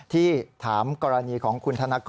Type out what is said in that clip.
ที่ถามกรณีของคุณธนกร